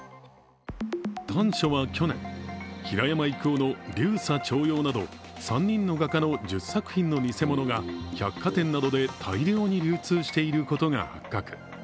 端緒は去年平山郁夫の流沙朝陽など３人の画家の１０作品の偽物が百貨店などで大量に流通していることが発覚。